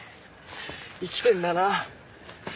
生きてんだな。